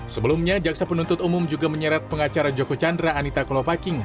sebelumnya jaksa penuntut umum juga menyeret pengacara joko chandra anita kolopaking